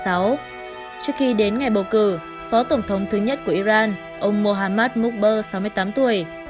trước khi đến ngày bầu cử phó tổng thống thứ nhất của iran ông mohammad mukber sáu mươi tám tuổi